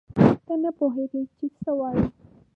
ته نه پوهېږې چې څه وایې.